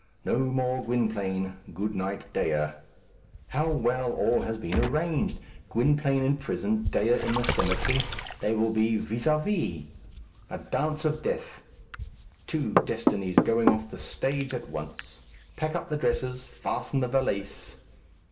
No more Gwynplaine. Good night, Dea. How well all has been arranged! Gwynplaine in prison, Dea in the cemetery, they will be vis à vis! A dance of death! Two destinies going off the stage at once. Pack up the dresses. Fasten the valise.